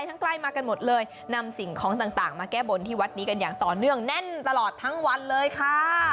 ใกล้มากันหมดเลยนำสิ่งของต่างมาแก้บนที่วัดนี้กันอย่างต่อเนื่องแน่นตลอดทั้งวันเลยค่ะ